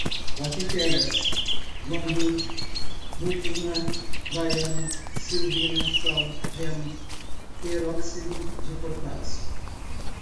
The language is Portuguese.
bactérias, guandu, mucuna, baiano, silvina, sal gema, peróxido de potássio